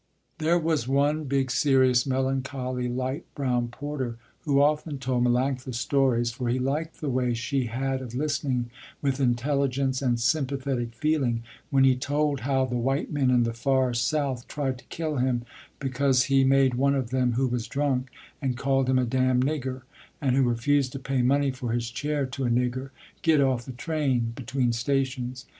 There was one, big, serious, melancholy, light brown porter who often told Melanctha stories, for he liked the way she had of listening with intelligence and sympathetic feeling, when he told how the white men in the far South tried to kill him because he made one of them who was drunk and called him a damned nigger, and who refused to pay money for his chair to a nigger, get off the train between stations.